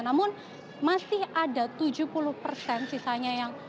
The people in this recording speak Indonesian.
namun masih ada tujuh puluh persen sisanya yang